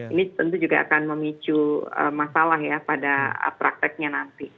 ini tentu juga akan memicu masalah ya pada prakteknya nanti